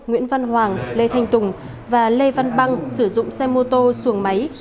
nguyễn văn hoàng lê thanh tùng và lê văn băng sử dụng xe mô tô xuồng máy